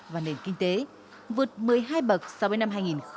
và nền kinh tế vượt một mươi hai bậc so với năm hai nghìn một mươi